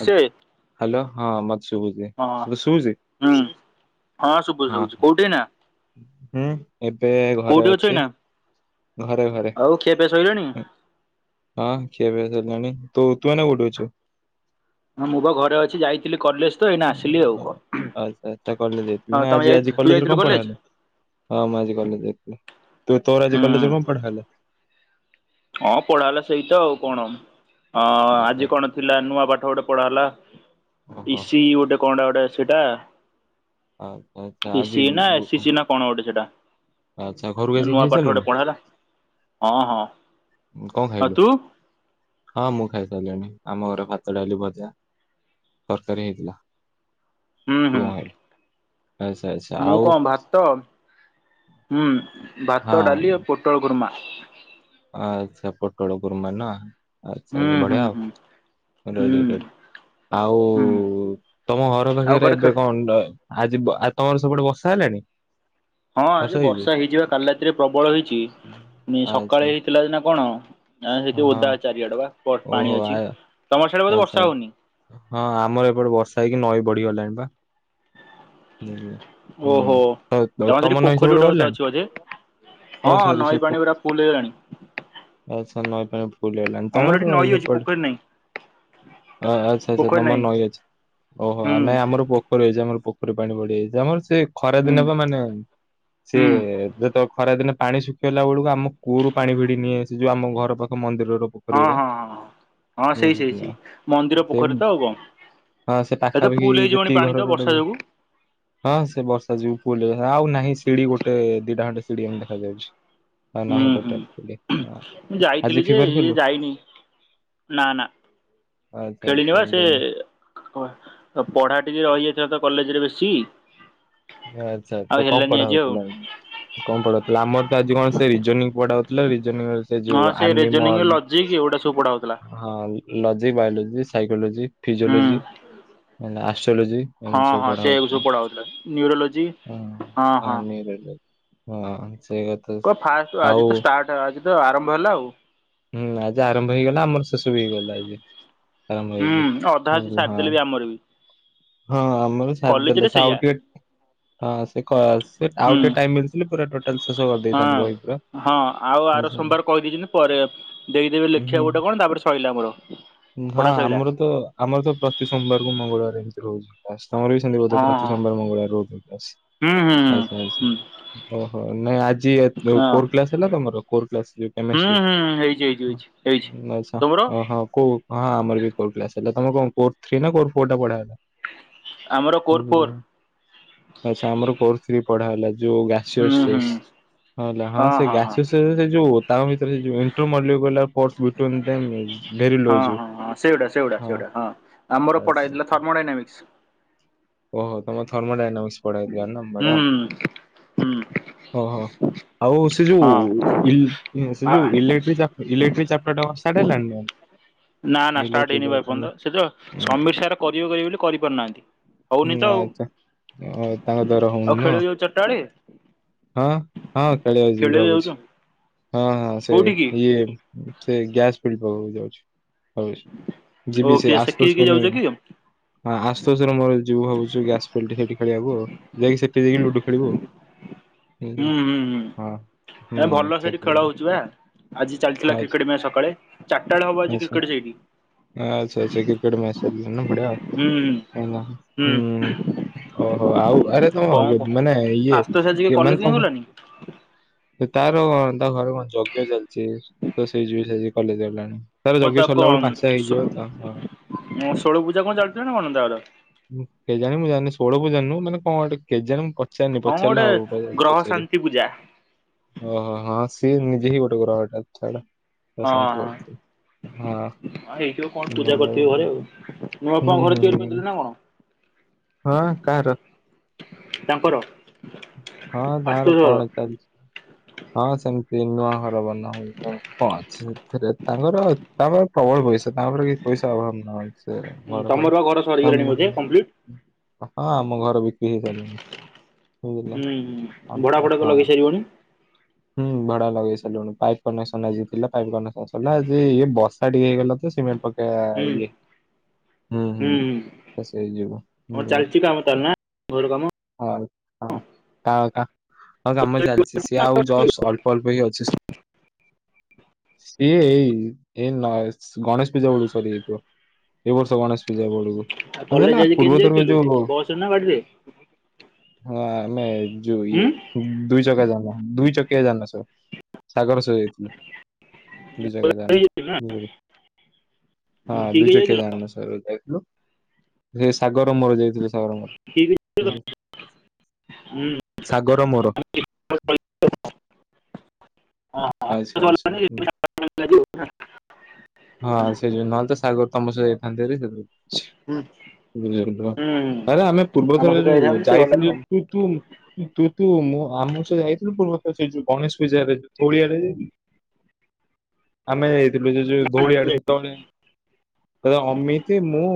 ସେ ହାଲୋ ହଁ ମତେ ଶୁୁଭୁଚି ହଁ [unintelligible] ଶୁଭୁଚି? ହୁଁ ହଁ ଶୁଭୁଚି-ଶୁଭୁଚି, କୋଉଟି ଏଇନା? [unintelligible] ଏବେ କୋଉଠି ଘରେ ଅଛ ଅଛି। ଏଇନା? ଘରେ-ଘରେ ଆଉ ଖିଆପିଆ ସଇଲାଣି? [unintelligible] ହଁ ଖିଆ ପିଆ ସରିଲାଣି, ତୁ-ତୁ ଏଇନା କୋଉଟି ଅଛୁ? ହଁ ମୁଁ ବା ଘରେ ଅଛି, ଯାଇଥିଲି କଲେଜ୍। ଆଚ୍ଛା-ଆଚ୍ଛା କଲେଜ୍ ହଁ ଯାଇଥିଲୁ ନା, ତମେ ଯାଇ ଆଜି-ଆଜି ତୁ କଲେଜ୍ ରେ ଯାଇଥିଲୁ କଣ ପଢା କଲେଜ? ହେଲା? ହଁ ମୁଁ ଆଜି କଲେଜ୍ ଯାଇଥିଲି। ହୁଁ ହଁ ପଢା ହେଲା ସେଇତ ଆଉ କଣ ଅ ଆଚ୍ଛା ଆଜି ଆଚ୍ଛା, କଣ? ଥିଲା ନୂଆ ପାଠ ଗୋଟେ ପଢା ହେଲା ଓହୋ ଇସି ଗୋଟେ କଣଟା ଗୋଟେ ସେଟା। ଆଛା ଆଛା ଆଜି ଗୁ - - ନା କଣ ଗୋଟେ ସେଇଟା? ଆସିକି ନୂଆ ପାଠ ଖାଇସାରିଲୁଣୁ? ଗୋଟେ ପଢା ହେଲା ହଁ ହଁ। କଂ ଆଉ ଖାଇଲୁ? ତୁ? ହଁ ମୁଁ ଖାଇ ସାରିଲିଣି ଆମ ଘରେ ଭାତ, ଡାଲି, ଭଜା। ତରକାରୀ ହେଇଥିଲା। ହୁଁ ହୁଁ ଆଛା ଆଛା। ମୁଁ କଣ ଭାତ, ହୁଁ ଭାତ, ହଁ ଡାଲି, ପୋଟଳ ଗୁର୍ମା। ଆଚ୍ଛା ପୋଟଳ ଗୁର୍ମା ନା ଆଛା ହୁଁ ହୁଁ ବଢିଆ ଆଉ। ହୁଁ। ରେଡି ହୁଁ ରେଡି ଆଉ ହୁଁ ତମ ଘର ଆଉ ପାଖରେ କୁଆଡେ ଖେ ଏବେ କଂ? ଆଜି ବ ତମର ସେପଟେ ବର୍ଷା ହେଲାଣି? ହଁ ଆଜି ବର୍ଷା ହେଇଯିବା କାଲି ରାତିରେ ପ୍ରବଳ ହେଇଚି। ଆଚ୍ଛା ସକାଳେ ହେଇଥିଲା ଦନା କଣ? ନା ସେଠି ହଁ ଓଦା ଚାରିଆଡେ ବା ଓହୋ ପାଣି ଅଛି ଆ- ତମର ସଇଡ ବୋଧେ ବର୍ଷା ଆଚ୍ଛା। ହଉନି? ହଁ ଆମର ଏପଟେ ବର୍ଷା ହେଇକି ନଈ ବଢିଗଲାଣି ବା। ବୁଝିଲ? ଓହୋ ହୁଁ। ତ ତ- ତାମର ତମ ସେଠି ନଈ ସେପଟେ ପୋଖରୀ ଗଟା ତ ବଢିଲାଣି ଅଛି ଅଝେ। ହଁ ନଈ ପାଣି ପୁରା ପୁଲ ହେଇଗଲାଣି। ଆଛା, ନାଇଁ ପାଇଁ ଫୁଲ ହେଲା ଆମର ଏଠି ତମର ଆଉ ନଈ ଅଛି ସେପଡ ପୋଖରୀ ନାହିଁ ଅ ଆଚ୍ଛା ଆଛା ପୋଖରୀ ତମର ନାହିଁ ନଈଁ ଅଛି ଓହୋ ହୁଁ ନାଇଁ ଆମର ପୋ ଖରି ଅଛି ଆମର ପୋଖରୀ ପାଣି ବଡିିଯାଇଛି ଆମର ସେ ଖରା ହୁଁ ଦିନ ବା ମାନେ ହୁଁ ସିଏ ଯେତ ଖରାଦିନେ ପାଣି ଶୁଖିଗଲା ବେଳକୁ ଆମ କୂଅରୁ ପାଣି ଭିଡ଼ି ନିଏ ସେ ଯେଉଁ ଆମ ଘର ପାଖ ମନ୍ଦିରର। ହଁ ପୋଖରୀରେ ହଁ ହଁ ହଁ ହଁ ସେଇ ସେଇ ସେଇ ମନ୍ଦିର ସେ ପୋଖରୀ ତ ଆଉ କଁ। ହଁ ସେ ଏତ ପାଖାପାଖି ଫୁଲ ହେଇଯିବଣି ଯେତିକି ପାଣି ତ ଘରର ବର୍ଷା ଗୋଟେ ଯୋଗୁ। ହଁ ସେ ବର୍ଷା ଯିବ ପୁ ଆଉ ନାହିଁ ସିଢି ଗୋଟେ ଦିଟା ଖଣ୍ଡେ ସିଢି ଏମ ଦେଖାଯାଉଚି। ଆଉ ନାହିଁ ହୁଁ ହୁଁ ଟୋଟାଲି ଶିଡି। ମୁଁ ଯାଇଥିଲି ଆଜି ଯେ ଫଭାର ଇଏ ଖଲୁ। ଯାଇନି ନା ନା। ଆଚ୍ଛା ଆଚ୍ଛା। ହ ପଢା ଟିକ ରହିଯାଇଥିଲା ତ କଲେଜ ରେ ବେଶୀ। ଆଚ୍ଛା ଆଉ ଆଚ୍ଛା କଂ ହେଲାନି ପଢା ଆଜି ଆଉ ହଉଥିଲା? କଂ ପଢାାଉଥିଲା ଆମର ତ ଆଜି କଣ ସେ ରିଜନିଂ ପଢାାଉଉଥିଲା ରିଜନିଂ- - ହଁ ସେ ରିଜନିଂ ଲଜିକ ଏଗୁଟା ସବୁ ପୁଡା ହଉଥିଲା। ହଁ ଲଜିିକ ବାୟୋଲୋଜି ସାଇକୋଲୋଜି ହୁଁ ଫିଜିଓଲୋଜି ମ ଆଷ୍ଟ୍ରୋଲୋଜି। ହଁ ଏମିତି ସବୁ ହଁ ପଢା ସେ ହଉଥିଲା। ସବୁ ପଢ଼ା ହଉଥିଲା ନ୍ୟୁରୋଲୋଜି। ହଁ ହ ନେଇରଲେ ହଁ ସେଇ କ ଫାଷ୍ଟ ଆଉ ଆଜି ତ ଷ୍ଟାର୍ଟ ଆଜି ତ ଆରମ୍ଭ ହେଲା ଆଉ। ହୁଁ ଆଜି ଆରମ୍ଭ ହେଇଗଲା ଆମର ଶେଷ ବି ହେଇଗଲା ଆଜି ଆରମ୍ଭ ହେଇକି ବୁଝ ହଁ। ମର ବି। ହଁ ଆମର ସାଥ କଲେଜରେ ଦେଲେ ସେ ସେଇଆ ଆଉ ଟିକେ ହଁ ସେ କ ଆଉ ହୁଁ ଟିକେ ଟାଇମ ମିଳି ପୁରା ଟୋଟାଲ ଶେଷ ହଁ କରିଦେଇଥାନ୍ତୁ ବହି ପୁରା। ହଁ ଆଉ ଆର ବୁଝିପାରିଲ? ସୋମବାର କହିଦେଇ ଚନ୍ତି ପରେ ଦେଇଦେବେ ଉଁ ଲେଖିବା ହୁଁ। ଗୋଟେ କଣ ତାପରେ ସରିଲା ଆମର। ହଁ ପଢା ସଇଲା ଆମର ତ ଆମର ତ ପ୍ରତି ସୋମବାରକୁ ମଙ୍ଗଳବାର ଏମିତି ରହୁଛି ଆଷ୍ଟମ ର ର ହଁ ପ୍ରତି ହଁ ସୋବାର ମଙ୍ଗଳବ ରହୁ ହୁଁ ହୁଁ ଆଚ୍ଛା ଆଚ୍ଛା। ହୁଁ ଓହୋ ନାଇଁ ଆଜି ହୁଁ ହଁ କୋର କ୍ଲାସ ହେଲା ତମର କୋର କ୍ଲାସ ଯଉ ହୁଁ କେମଷ୍ଟି। ହୁଁ ହେଇଛି ହେଇଛି ହେଇଛି ହେଇଛି ଆଛା ତମର ଓହୋ। କୋଉ ହଁ ଆମର କୋ କ୍ଲାସ ହେଲା ତମ କଣ କୋ ଥ୍ରୀ ନା କୋ ଫୋର ଟା ପଢ଼ା ହେଲା? ଆମର କୋର ହିଲ ଫୋର ଆଚଛା ଆମର [unintelligible] କରଥିଲି ପଢା ହେଲା ଯୋଉ ଗାସି। ହୁଁ ହୁଁ ହଁ ହେଲା ହଁ ସେ ଗାଛ ସେ ଯୋଉ ତାଙ୍କ ଭିତରେ ସେଇ। [unintelligible] ଭେ ଲୁ ହଁ ସେଗୁଡା ସେଗୁଡା ଆ। ସେଗୁଡା ହଁ ଆମର ପଢା ହେଇଥିଲା [unintelligible] ଥର୍ମୋଡାଇନାମିକ୍ସ ଓହୋ ତମଥର୍ମାଡାଇାମି ପଢେଇ ଦିଅ ନା। ବଢିଆ ହୁଁ। ହୁଁ ଓହୋ ଆଉ ସେ ଯୋଉ ହଁ ଇ ସେ ଆ ଯୋଉ ଇଲେକ୍ଟ୍ରିକ ଇଲେକ୍ଟ୍ରିକ ଚାପଟରବଷ୍ଟ୍ ହେଲାଣିନା? ନା ନା ଷ୍ଟାର୍ଟ ହେଇନିପା ଏର୍ଯ୍ୟନ୍ତ ସେତ ନା ସମୀଖ୍ୟର କରିବ କରିବ ବୋଲି କରିପାରୁନାହାନ୍ତି। ହଉନି ନା ତ ଆଉ ଆଚ୍ଛା ଓ, ତାଙ୍କ ଦ୍ଵାରା ହଉନି ଆଉ ନୁହଁ। ଖେଳି ବାକୁ ଯିବ ଚଟାବେଳେ? ହଁ ହଁ ଖେଳିବାକୁ ଯିବି ଭାବୁଛି ହଁ ସେ କୋଉଠି କି ଇଏ ସେ ଗ୍ୟାସ ଫିଳିବାବାକୁ ଯାଉଛି। ହଉ ଓ ଯିବି ସେ କିଏ କି କି ଆସୁଷନୀ ଯାଉଛ କି ହଁ ଆସୁ ଆସରେ ମୋର ଯିବୁ ଭାବୁଚୂ ଗ୍ୟାସ୍ ଫଟି ସେଠି ଖେଳିବାକୁ ଯାଇକି ସେଠି ଯାଇକି ଲୁଡୁ ଖେଳିବୁ। ହୁଁ ହୁଁ ହୁଁ ହଁ ହୁଁ ଏ ଭଲ ସେଠି ଖେଳ ଯିବୁ। ହଉଚି ପା। ଆଜି ଚାଲିଥିଲା ଆଚ୍ଛା କ୍ରିକେଟ୍ ମ୍ୟାଚ ସକାଳେ ଚାରିଟା ବେଳେ ହବ ଆଜି ଆଚ୍ଛା କ୍ରିକେଟ୍ ସେଇଠି। ଆଚ୍ଛା ଆଚ୍ଛା କ୍ରିକେଟ ମ୍ୟଚ ଚାଲି [unintelligible] ପଢ ହୁଁ ହୁଁ ହଁ। ଓହୋ ଆଉ ଆରେ କଣ କହ ତୁମ ମାନେ ଇଏ ଏ ମାନେ ତମକୁ ହ [unintelligible] ତାର ତାଙ୍କ ଘରେ କଣ ଯଜ୍ଞ ଚାଲିଚି ତ ସେଇ ଜି [unintelligible] ଷ କଲେ ଗଲାଣି। ତାର ଓ ଯଜ୍ଞ ତା ସରିଲା ବେଳକୁ କମ୍ ପାଞ୍ଚଟା ହେଇଯିବ ତ ହଁ। ସୁବେ ମୋ ଷୋଳ ପୂଜା କଣ ଚାଲୁଥିଲା ନା ମନତାଗର। କେ ଜାଣ ମୁ ଜାଣିନି ଷୋଳ ପୂଜା ନୁହଁ ମାନେ କଣଟେ କେଜଣେ ମୁଁ ପଚାରିନି ହଁ ଗୋଟେ ପଚାରିଲେ ହବ। ମୁଁ ଆସି ଗ୍ରହ ପଚାରେ ଶାନ୍ତି ପୂଜା ଓହୋ ହଁ ସିଏ ନିଜେ ହିଁ ଗୋଟେ ଗହଟା ଛଟା। ହଁ ବସନ୍ତ ଗ ହଁ ହଁଲ। [unintelligible] ଆଉ। ମୁଁ ଆପଣଙ୍କ ଘରେ ତିଆରି କରିଦେଲି ନା କଣ? ହଅଁ କାହାର? ତାଙ୍କର। ହଁ ତାଙ୍କର ଆଶୁତୋଷ ଘର କଣ ଚାଲିଚି? ହଁ ସେମିତି ନୂଆ ଘର ବନା ହଉଚି କଣ ଅଛି ସେଥିରେ ତାଙ୍କର। ତାପରେ ପ୍ରବଳ ପଇସା ତାପରେ କି ପଇସା ଅଭାବ ନାହିଁ ସେ ଘର ଫର ତାଙ୍କ ପୁରୀ [unintelligible] ହଁ ଆମ ଘର ବିକ୍ରି ହେଇସାରିଲାଣି। ବୁଝିଲ ହୁଁ ଭଡା ଫଡାତ ଲଗେଇ ସାରିବଣି? ହୁ ଭଡା ଲଗେଇ ସାରିଲୁଣୁ ପାଇପ୍ କନେକ୍ସନ ଆଜି ଥିଲା ପାଇପ୍ କନେକ୍ସନ ସରିଲା ଆଜିଇ ବର୍ଷା ଟିକେ ହେଇଗଲା ତ ସିମେଣ୍ଟ ପକେଇ ଆ ହୁଁ ଇଏ ହୁଁ ହୁଁ ତ ସିଏ ଯିବ ହଁ ହୁଁ ଚାଲିଛି କାମ ତାର ନା ଘର କାମ? ଆଉ। ହ ଆଉ କା କାମ ଚାଲିଛି ସିଏ ଆଉ ଜଷ୍ଟ ଅଳ୍ପ ଅଳ୍ପ କି ଅଛି। ସିଏ ଏଇ ଏଇ ନ ଗଣେଶ ପୂଜା ବେଳକୁ ସରିଯାଇଥିବ। ଏ ବର୍ଷ ଗଣେଶ ପୂଜା ବେଳୁକୁ। ଆଉ କଲେଜ ଆଜି କେମିତି ଯାଇଥିଲୁ ବସରେ ନା ବାଡିରେ। ହଁ ଆମେ ଯୋଉ ହୁଁ ଇଏ ଦୁଇ ଚକା ଯାନ ଦୁଇ ଚକା ଦୁଇ ଚକିଆ ଜାନ ସ ସାଗର ସହ ଯାଇଥିଲୁ। ଦୁଇ ଚକିଆ ଜାନ ଯାଇଥିଲୁ ନା? ଜାଣୁ [unintelligible] ହଁ ଦୁଇ ମିଶିକି ଚକିଆ ଯାଇଥିଲ ଜାନ ସାର ଦେଖିଲୁ। ଯେ ସାଗର ମୋର ଯାଇଥିଲୁ ସାଗର ମୋର ଠିକ୍ ହୁଁ। ହୁଁ ସାଗର ର ମୋର। ଆଚ୍ଛା ଆଚ୍ଛା ଗଲାନି ହୁଁ। ହଁ ସେ ଯୋଉ ନହେଲେ ତ ସାଗର ତମ ସହିତ ଯାଇଥାତେ ହାରି ସେଥି। [unintelligible] ଆରେ ଆମେ ପୂର୍ବ ଆମ ଥର ସହିତ ଯୋଉ ଯାଇଥାନ୍ତେ ସେ ଯାଇଥିଲୁୁ ଗଲାନି ତୁ ତୁ ତୁ ମୋ ଆମ ସହ ଯାଇଥିଲୁ ପୂର୍ବଥର ସେ ଯୋଉ ଗଣେଶ ପୂଜାରେ ଯୋଉଁ କୋଡିଏରେ ଯାଇଥିଲୁ ଆମେ ଯାଇଥିଲୁ ସେ ଯୋଉଁ ଧଉଳିଆଡେ ଆଉ ସେତେବେଳେ ଅମିତି ମୁଁ